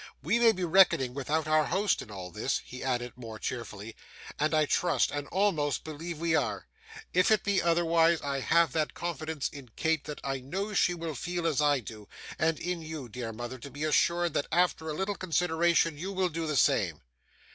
We may be reckoning without our host in all this,' he added more cheerfully, 'and I trust, and almost believe we are. If it be otherwise, I have that confidence in Kate that I know she will feel as I do and in you, dear mother, to be assured that after a little consideration you will do the same.